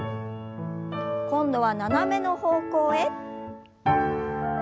今度は斜めの方向へ。